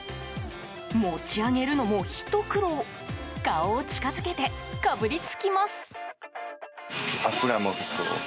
持ち上げるのもひと苦労顔を近づけて、かぶりつきます。